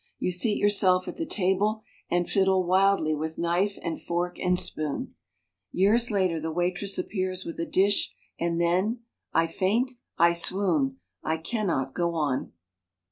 You seat yourself at the table and fiddle wildly with knife and fork and spoon. ... Years later the waitress appears with a dish and then — I faint — I swoon — I cannot go on